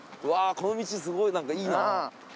この道すごいなんかいいな。